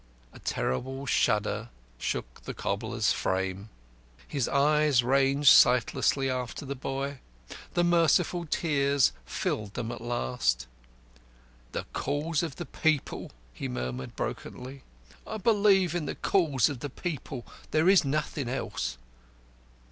A terrible shudder shook the cobbler's frame. His eyes ranged sightlessly after the boy; the merciful tears filled them at last. "The Cause of the People," he murmured brokenly, "I believe in the Cause of the People. There is nothing else."